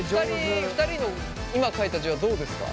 ２人の今書いた字はどうですか？